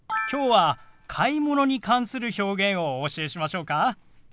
今日は買い物に関する表現をお教えしましょうか？